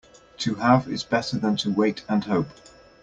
To have is better than to wait and hope.